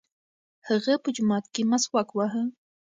هغه په جومات کې مسواک واهه.